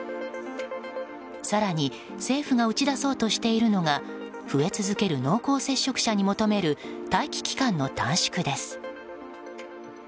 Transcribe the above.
更に、政府が打ち出そうとしているのが増え続ける濃厚接触者に求める待機期間の短縮です。